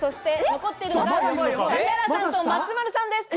残っているのは指原さんと松丸さんです。